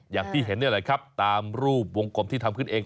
อย่างที่เห็นนี่แหละครับตามรูปวงกลมที่ทำขึ้นเอง